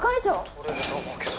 「取れると思うけど」